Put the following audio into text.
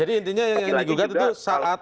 jadi intinya yang digugat itu saat